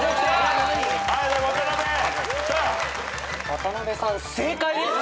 渡辺さん正解です！